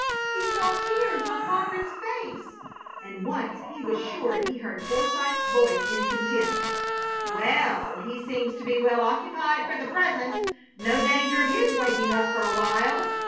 He saw tears on Margaret's face; and once he was sure he heard Forsythe's voice in contempt: "Well, he seems to be well occupied for the present! No danger of his waking up for a while!"